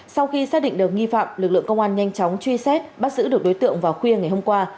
sau khi xác định được nghi phạm lực lượng công an nhanh chóng truy xét bắt giữ được đối tượng vào khuya ngày hôm qua